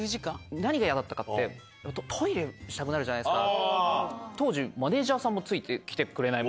何が嫌だったかって、といれしたくなるじゃないがこういう、当時、マネジャーさんもついてきてくれない。